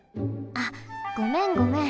あっごめんごめん。